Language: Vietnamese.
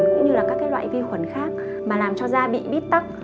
cũng như là các loại vi khuẩn khác mà làm cho da bị bít tắc